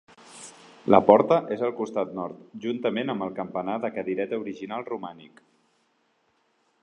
La porta és al costat nord juntament amb el campanar de cadireta original romànic.